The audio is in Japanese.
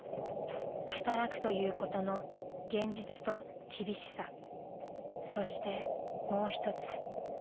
［働くということの現実と厳しさそしてもう一つ］